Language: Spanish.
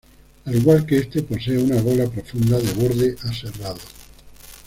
Al igual que este posee una gola profunda de borde aserrado.